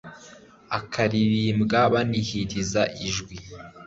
ikaririmbwa banihiriza ijwi